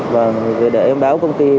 vâng người đề em báo công ty rồi